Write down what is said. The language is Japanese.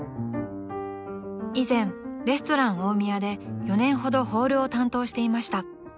［以前レストラン大宮で４年ほどホールを担当していました］